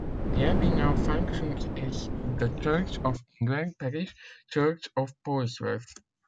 The abbey now functions as the Church of England parish church of Polesworth.